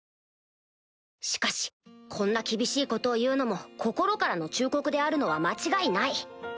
しかしこんな厳しいことを言うのも心からの忠告であるのは間違いない